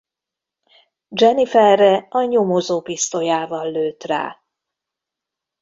Jenniferre a nyomozó pisztolyával lőtt rá.